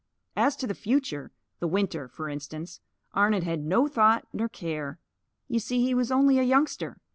As to the future the winter, for instance Arnon had no thought nor care. You see, he was only a youngster.